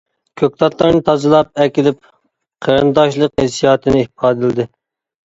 كۆكتاتلارنى تازىلاپ ئەكېلىپ قېرىنداشلىق ھېسسىياتىنى ئىپادىلىدى.